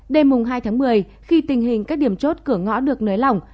đêm mùng hai tháng một mươi khi tình hình các điểm chốt cửa ngõ được nới lỏng